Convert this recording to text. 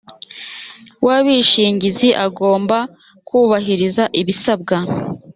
w abishingizi agomba kubahiriza ibisabwa